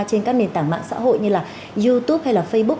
trên các nền tảng mạng xã hội như là youtube hay là facebook